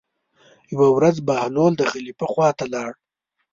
یوه ورځ بهلول د خلیفه خواته لاړ.